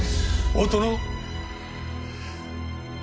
大殿！？